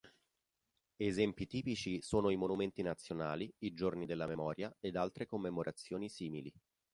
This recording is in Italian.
Esempi tipici sono i monumenti nazionali, i giorni della memoria ed altre commemorazioni simili.